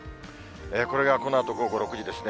これがこのあと午後６時ですね。